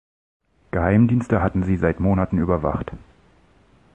Geheimdienste hatten sie seit Monaten überwacht.